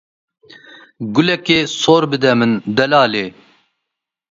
guleke sor bide min delalê.